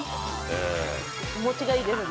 ◆気持ちがいいですね。